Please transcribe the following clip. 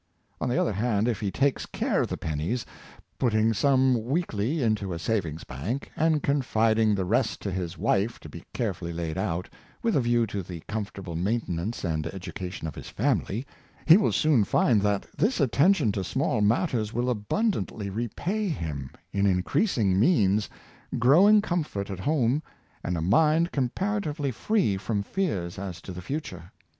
On the other hand, if 392 Philanthropy of Thomas Wright, he takes care of the pennies — putting some weekly into a saving's bank, and confiding the rest to his wife to be carefully laid out, with a view to the comfortable maintenance and education of his family — he will soon find that this attention to small matters will abundantly repay him, in increasing means, growing comfort at home, and a mind comparatively free from fears as to the future.